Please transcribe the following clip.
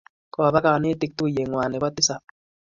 Koba kanetik tuyeng'wa nebo tisap